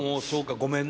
ごめんな。